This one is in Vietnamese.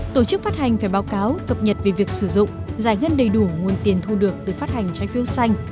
tổ chức phát hành phải báo cáo cập nhật về việc sử dụng giải ngân đầy đủ nguồn tiền thu được từ phát hành trái phiếu xanh